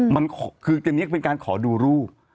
มันคือตอนนี้เป็นการขอดูรูป